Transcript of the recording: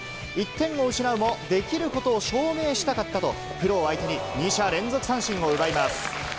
１点を失うも、できることを証明したかったと、プロを相手に２者連続三振を奪います。